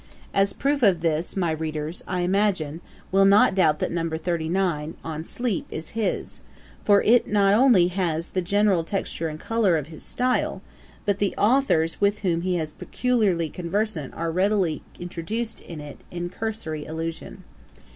As a proof of this, my readers, I imagine, will not doubt that Number 39, on sleep, is his; for it not only has the general texture and colour of his style, but the authours with whom he was peculiarly conversant are readily introduced in it in cursory allusion.